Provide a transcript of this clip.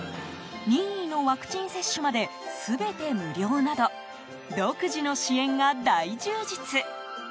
任意のワクチン接種まで全て無料など独自の支援が大充実！